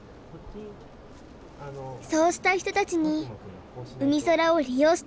そうした人たちにうみそらを利用してもらいたい。